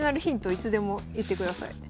いつでも言ってください。